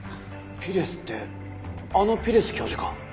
ピレスってあのピレス教授か？